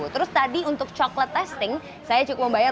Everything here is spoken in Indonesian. terus tadi untuk coklat testing saya cukup membayar tujuh puluh lima